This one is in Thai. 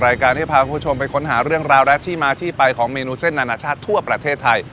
รายการที่พาคุณผู้ชมไปค้นหาเรื่องราวและที่มาที่ไปของเมนูเส้นอนาชาติทั่วประเทศไทย